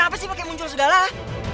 kenapa sih pakai muncul sudalah